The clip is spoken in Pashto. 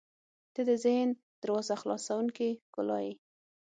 • ته د ذهن دروازه خلاصوونکې ښکلا یې.